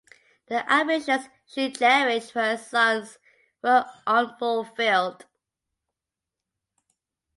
The ambitions she cherished for her sons were unfulfilled.